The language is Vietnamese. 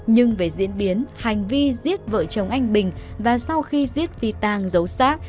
nhưng về diễn biến hành vi giết vợ chồng anh bình và sau khi giết phi tàng giấu sát